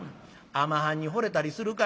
尼はんに惚れたりするかいな」。